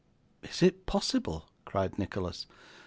'Is it possible?' cried Nicholas.